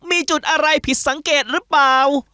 มีจุดอะไรผิดสังเกตหรือเปล่า